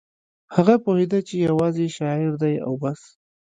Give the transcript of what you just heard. هغه پوهېده چې یوازې شاعر دی او بس